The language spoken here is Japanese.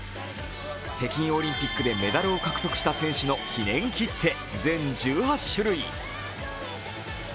北京オリンピックでメダルを獲得した選手の記念切手、全１８種類。